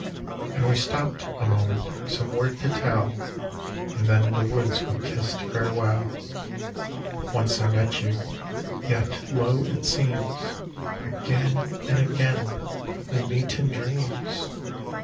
And we stopped a moment some word to tell, And then in the woods we kissed farewell. But once I met you; yet, lo! it seems Again and again we meet in dreams.